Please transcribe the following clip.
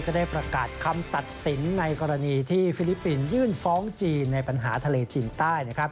ได้ประกาศคำตัดสินในกรณีที่ฟิลิปปินส์ยื่นฟ้องจีนในปัญหาทะเลจีนใต้